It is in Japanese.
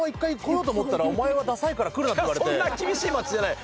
そんな厳しい街じゃない。